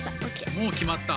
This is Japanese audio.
もうきまった？